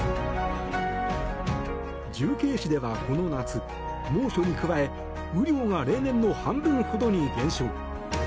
重慶市ではこの夏、猛暑に加え雨量が例年の半分ほどに減少。